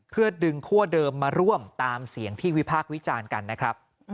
เพื่อดึงคั่วเดิมมาร่วมตามเสียงที่วิพากษ์วิจารณ์กันนะครับ